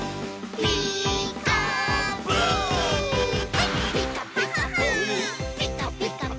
「ピカピカブ！ピカピカブ！」